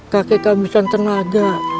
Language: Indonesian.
kakek habiskan tenaga